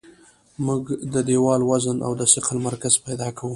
موږ د دیوال وزن او د ثقل مرکز پیدا کوو